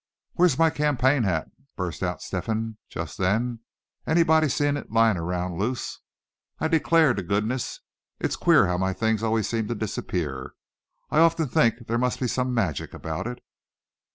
"Where's my campaign hat?" burst out Step hen just then; "anybody seen it layin' around loose? I declare to goodness it's queer how my things always seem to disappear. I often think there must be some magic about it."